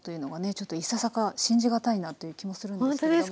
ちょっといささか信じがたいなという気もするんですけれども。